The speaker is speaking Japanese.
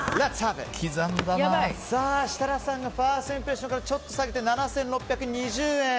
設楽さんがファーストインプレッションからちょっと下げて７６２０円。